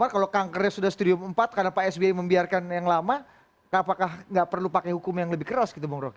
kalau kankernya sudah stadium empat karena pak sbi membiarkan yang lama apakah tidak perlu pakai hukum yang lebih keras